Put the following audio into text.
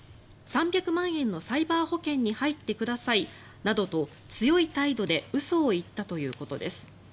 ３００万円のサイバー保険に入ってくださいなどと強い態度で嘘を言ったということです。